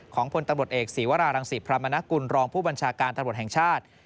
พลตำรวจเอกศีวรารังศิพรามนกุลรองผู้บัญชาการตำรวจแห่งชาติ